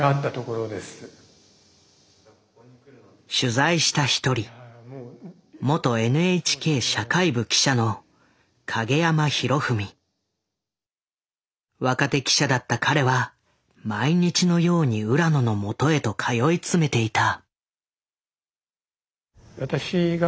取材した一人若手記者だった彼は毎日のように浦野のもとへと通い詰めていた。